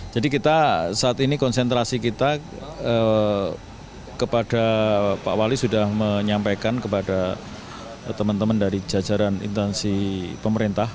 jadi kita saat ini konsentrasi kita kepada pak wali sudah menyampaikan kepada teman teman dari jajaran instansi pemerintah